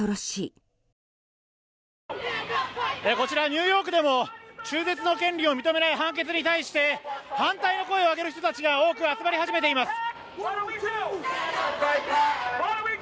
ニューヨークでも中絶の権利を認めない判決に対して反対の声を上げる人たちが多く集まっています。